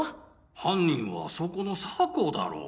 犯人はそこの酒匂だろ。